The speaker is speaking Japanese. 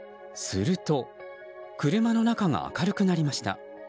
すると車の中が明るくなりました。